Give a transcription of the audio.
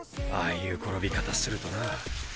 ああいう転び方するとな。